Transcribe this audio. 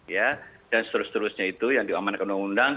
ya dan seterus terusnya itu yang diaman oleh undang undang